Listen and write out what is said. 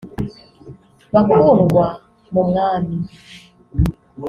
Bakundwa mu Mwami